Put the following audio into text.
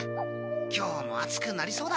今日も暑くなりそうだ。